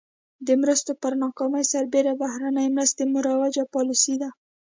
د مرستو پر ناکامۍ سربېره بهرنۍ مرستې مروجه پالیسي ده.